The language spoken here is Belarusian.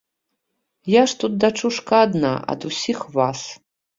Я ж тут, дачушка, адна ад усіх вас.